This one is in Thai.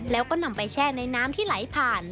แล้วก็นำไปแช่ในน้ำที่ไหลผ่าน